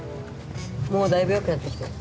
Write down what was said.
もうだいぶよくなってきたよ。